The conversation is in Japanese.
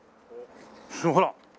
ほら。